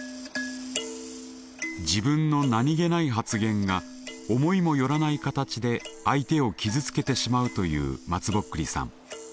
自分の何気ない発言が思いも寄らない形で相手を傷つけてしまうというまつぼっくりさん。